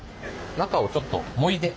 中をちょっともいで。